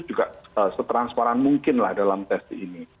juga setransparan mungkinlah dalam tes ini